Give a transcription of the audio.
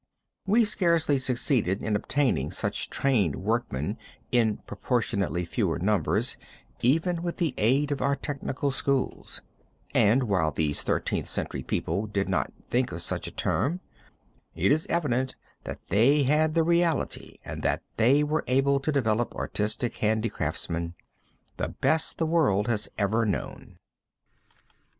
We scarcely succeed in obtaining such trained workmen in proportionately much fewer numbers even with the aid of our technical schools, and while these Thirteenth Century people did not think of such a term, it is evident that they had the reality and that they were able to develop artistic handicraftsmen the best the world has ever known.